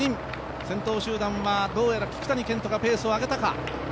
先頭集団はどうやら聞谷賢人がペースを上げてきたか。